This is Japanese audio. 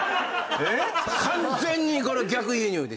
完全にこれ逆輸入です。